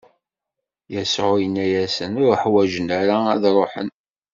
Yasuɛ inna-asen: Ur ḥwaǧen ara ad ṛuḥen.